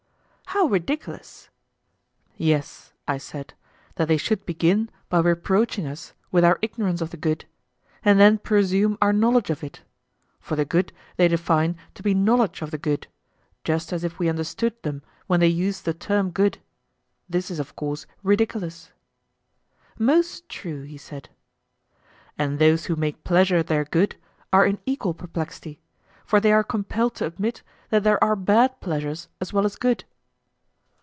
How ridiculous! Yes, I said, that they should begin by reproaching us with our ignorance of the good, and then presume our knowledge of it—for the good they define to be knowledge of the good, just as if we understood them when they use the term 'good'—this is of course ridiculous. Most true, he said. And those who make pleasure their good are in equal perplexity; for they are compelled to admit that there are bad pleasures as well as good.